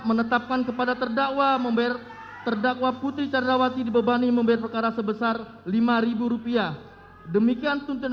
lima menjatuhkan pidana terhadap terdakwa putri candrawati dengan pidana penjara selama delapan tahun